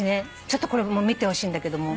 ちょっとこれも見てほしいんだけども。